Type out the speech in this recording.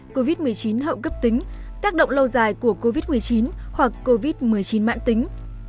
covid một mươi chín hậu cấp tính tác động lâu dài của covid một mươi chín hoặc covid một mươi chín mãn tính